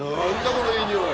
このいい匂い。